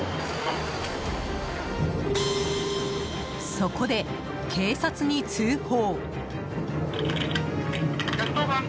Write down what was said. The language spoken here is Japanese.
そこで、警察に通報。